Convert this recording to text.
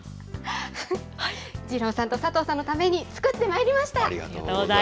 二郎さんと佐藤さんのために作ってまいりました。